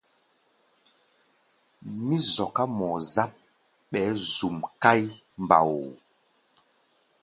Mí zɔká mɔɔ-záp, ɓɛɛ́ zuʼm káí mbao.